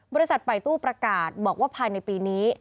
บริษัทป่ายตู้ประกาศบอกว่าภายในปีนี้